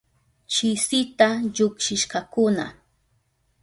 Chisita llukshishkakuna.